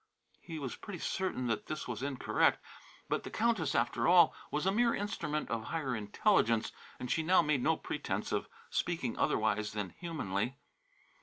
He was pretty certain that this was incorrect, but the Countess, after all, was a mere instrument of higher intelligence, and she now made no pretence of speaking otherwise than humanly.